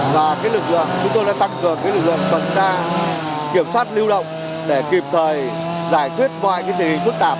và chúng tôi đã tăng cường lực lượng cận xa kiểm soát lưu động để kịp thời giải thuyết ngoại tình hình phức tạp